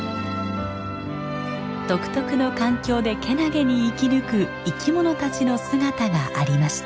独特の環境でけなげに生き抜く生き物たちの姿がありました。